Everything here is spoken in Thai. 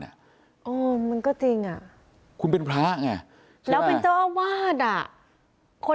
นะอ่อมันก็จริงอ่ะคุณเป็นพระไงใช่ขห์แล้วเป็นเจ้าอาวาดก่อน